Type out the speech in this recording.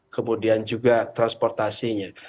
kemudian juga transportasinya